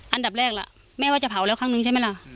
อันดับแรกล่ะแม่ว่าจะเผาแล้วครั้งนึงใช่ไหมล่ะ